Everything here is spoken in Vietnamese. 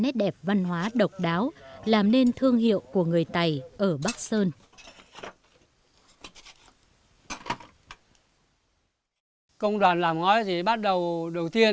nét đẹp văn hóa độc đáo làm nên thương hiệu của người tày ở bắc sơn